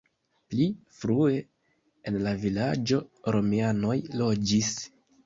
Pli frue en la vilaĝo romianoj loĝis.